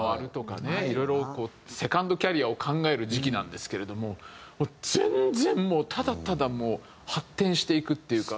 いろいろこうセカンドキャリアを考える時期なんですけれども全然もうただただ発展していくっていうか。